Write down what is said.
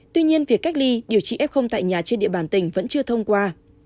tuy nhiên việc cách ly điều trị f tại nhà trên địa bàn tỉnh vẫn chưa thông qua